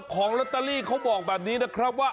ของลอตเตอรี่เขาบอกแบบนี้นะครับว่า